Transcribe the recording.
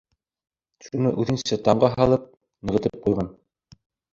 Шуны үҙенсә тамға һалып нығытып ҡуйған.